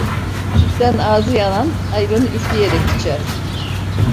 Sütten ağzı yanan, ayranı üfleyerek içer.